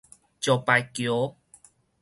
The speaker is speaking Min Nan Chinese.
石牌橋